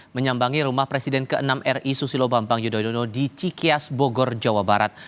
menyambangi rumah presiden ke enam ri susilo bambang yudhoyono di cikias bogor jawa barat